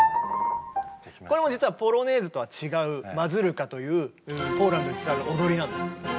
これも実は「ポロネーズ」とは違う「マズルカ」というポーランドに伝わる踊りなんです。